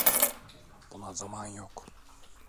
Buna zaman yok.